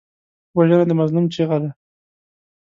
وژنه د مظلوم چیغه ده